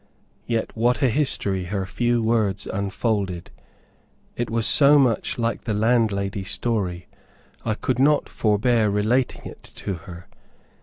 Yet what a history her few words unfolded! It was so much like the landlady's story, I could not forbear relating it to her.